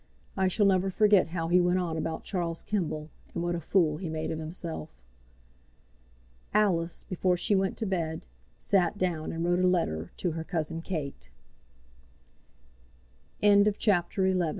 I shall never forget how he went on about Charles Kemble, and what a fool he made of himself." Alice, before she went to bed, sat down and wrote a letter to her cousin Kate. CHAPTER XII.